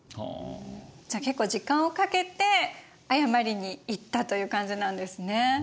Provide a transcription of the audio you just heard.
じゃあ結構時間をかけて謝りに行ったという感じなんですね。